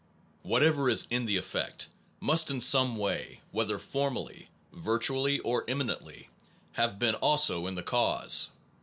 Whatever is in the effect must in some way, whether formally, virtually, or eminently, have been also in the cause.